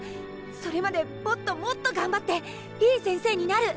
それまでもっともっと頑張っていい先生になる！